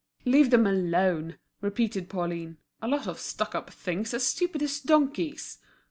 "Let them alone!" repeated Pauline, "a lot of stuck up things, as stupid as donkeys!"